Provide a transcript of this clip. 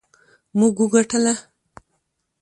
موږ وګټله